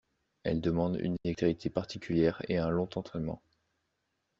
Elle demande une dextérité particulière et un long entraînement.